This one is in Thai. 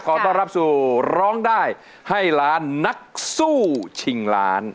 ต้อนรับสู่ร้องได้ให้ล้านนักสู้ชิงล้าน